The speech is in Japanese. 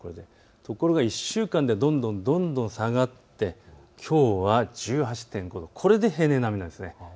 ところが１週間でどんどんどんどん下がってきょうは１８．５度、これで平年並みなんです。